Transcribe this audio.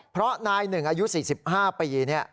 เพราะนายหนึ่งอายุ๔๕ปี